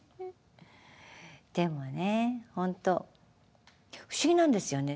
でもね本当不思議なんですよね。